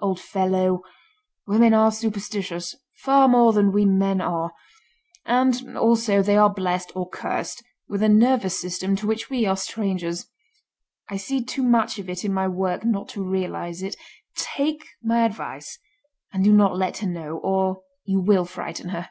"Old fellow, women are superstitious—far more than we men are; and, also they are blessed—or cursed—with a nervous system to which we are strangers. I see too much of it in my work not to realise it. Take my advice and do not let her know, or you will frighten her."